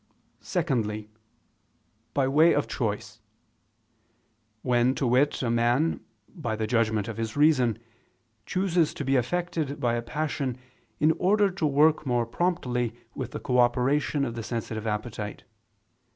Secondly, by way of choice; when, to wit, a man, by the judgment of his reason, chooses to be affected by a passion in order to work more promptly with the co operation of the sensitive appetite.